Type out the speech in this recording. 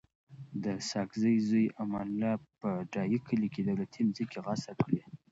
د ساګزی زوی امان الله په ډایی کلی کي دولتي مځکي غصب کړي دي